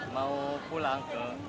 mau pulang ke